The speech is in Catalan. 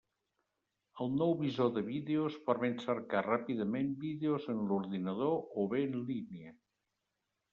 El nou visor de vídeos permet cercar ràpidament vídeos en l'ordinador o bé en línia.